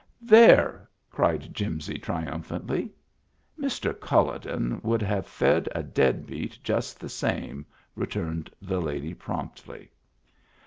" There I " cried Jimsy, triumphantly. " Mr. Culloden would have fed a dead beat just the same," returned the lady promptly.